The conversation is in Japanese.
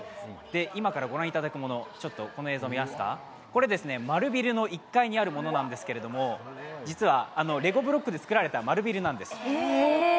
今からご覧いただくもの、この映像、これ、丸ビルの１階にあるものなんですけど実はレゴブロックで作られた丸ビルなんです。